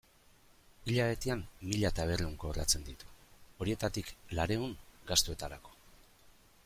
Hilabetean mila eta berrehun kobratzen ditu, horietatik laurehun gastuetarako.